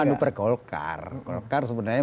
manuper golkar golkar sebenarnya